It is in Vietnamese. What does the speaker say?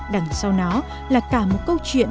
đằng sau nó là cả một câu chuyện